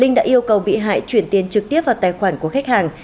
linh đã yêu cầu bị hại chuyển tiền trực tiếp vào tài khoản của khách hàng